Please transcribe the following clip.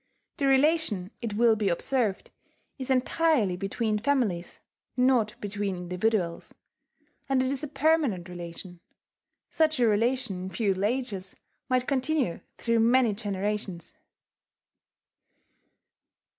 The relation, it will be observed, is entirely between families, not between individuals; and it is a permanent relation. Such a relation, in feudal ages, might continue through many generations.